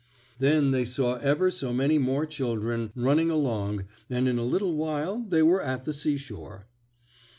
Then they saw ever so many more children running along and in a little while they were at the seashore.